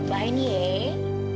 lepas ini eh